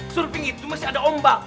seluruh pinggi itu masih ada ombak